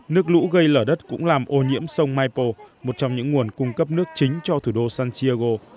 nước lũ gây lở đất cũng làm ô nhiễm sông maipo một trong những nguồn cung cấp nước chính cho thủ đô santiago